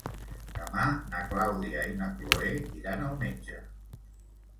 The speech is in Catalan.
Demà na Clàudia i na Cloè iran al metge.